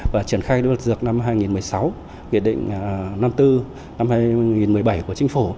và triển khai đối luật dược năm hai nghìn một mươi sáu kỷ định năm bốn năm hai nghìn một mươi bảy của chính phủ